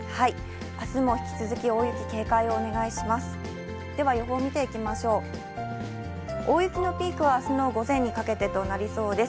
あすも引き続き大雪、警戒をお願いします。